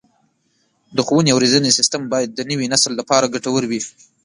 د ښوونې او روزنې سیستم باید د نوي نسل لپاره ګټور وي.